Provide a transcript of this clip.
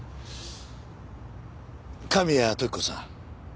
神谷時子さん。